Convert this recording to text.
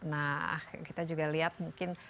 nah kita juga lihat mungkin